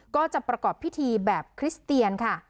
ก็จะประกอบพิธีแบบคริสเตียนค่ะ